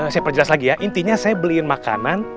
saya perjelas lagi ya intinya saya beliin makanan